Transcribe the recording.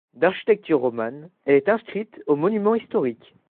D'architecture romane, elle est inscrite aux Monuments historique.